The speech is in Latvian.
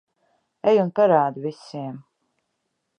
Ej un parādi visiem.